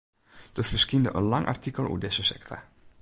Der ferskynde in lang artikel oer dizze sekte.